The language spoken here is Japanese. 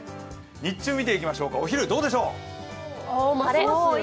日中を見ていきましょうか、お昼、どうでしょう。